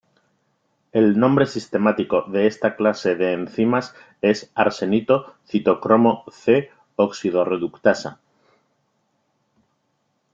El nombre sistemático de esta clase de enzimas es "arsenito:citocromo c oxidorreductasa".